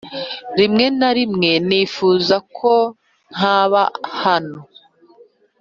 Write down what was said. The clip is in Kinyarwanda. rimwe na rimwe nifuza ko ntaba hano.